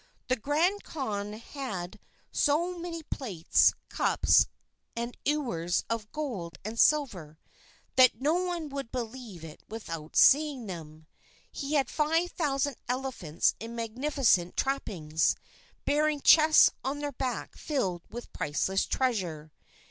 The Grand Khan had so many plates, cups, and ewers of gold and silver, that no one would believe it without seeing them. He had five thousand elephants in magnificent trappings, bearing chests on their backs filled with priceless treasure.